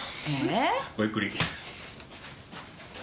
ごゆっくり。